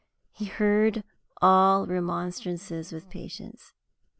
He heard all remonstrances with patience.